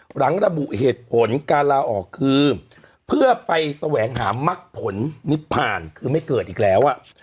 หลังระบุเหตุผลการลาออกคือเพื่อไปแสวงหามักผลนิพพานคือไม่เกิดอีกแล้วอ่ะ